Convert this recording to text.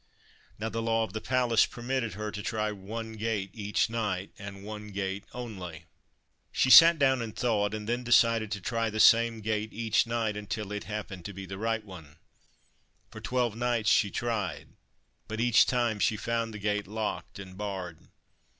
Now the law of the palace permitted her to try one gate each night, and one gate only. She sat down and thought, and then decided to try the same gate each night until it happened to be the right one. For twelve nights she tried, but each time she found the gate locked and barred.